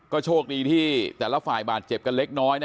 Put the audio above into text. ก็โชคดีที่แต่ละฝ่ายเจ็บกันเล็กน้อยนะครับ